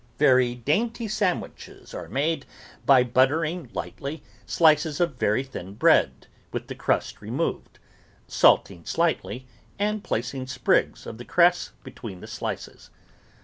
Very dainty sandwiches are made by buttering THE VEGETABLE GARDEN lightly slices of very thin bread, with the crust re moved, salting slightly and placing sprigs of the cress between the slices.